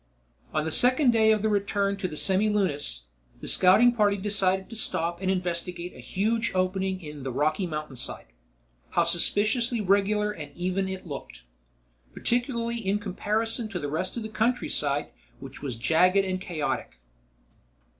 On the second day of the return to the Semilunis, the scouting party decided to stop and investigate a huge opening in the rocky mountainside. How suspiciously regular and even it looked, particularly in comparison to the rest of the countryside which was jagged and chaotic.